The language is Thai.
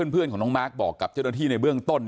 เพื่อนของน้องมาร์คบอกกับเจ้าหน้าที่ในเบื้องต้น